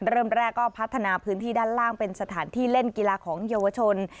เริ่มแรกก็พัฒนาพื้นที่ด้านล่างเป็นสถานที่เล่นกีฬาของเยาวชน